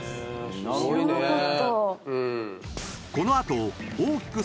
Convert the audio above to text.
知らなかった。